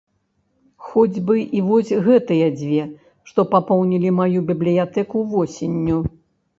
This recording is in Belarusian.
Хоць бы і вось гэтыя дзве, што папоўнілі маю бібліятэку восенню.